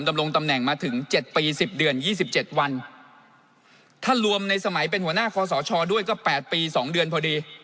ดำลงตำแหน่งมาถึงเจ็ดปีสิบเดือนยี่สิบเจ็ดวันถ้ารวมในสมัยเป็นหัวหน้าคอสอชอด้วยก็แปดปีสองเดือนพอดี